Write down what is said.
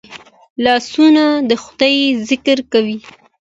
لاسونه د خدای ذکر کوي